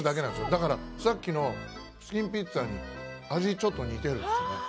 だからさっきのピッツァに味ちょっと似てるんですよね。